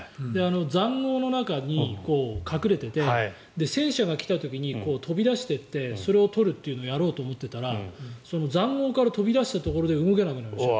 塹壕の中に隠れていて戦車が来た時に飛び出していってそれを撮るというのをやろうと思っていたら塹壕から飛び出したところで動けなくなりました。